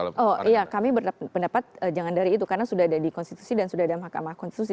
oh iya kami berpendapat jangan dari itu karena sudah ada di konstitusi dan sudah ada mahkamah konstitusi